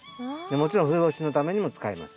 もちろん冬越しのためにも使います。